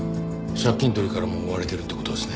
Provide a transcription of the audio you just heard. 借金取りからも追われてるって事ですね。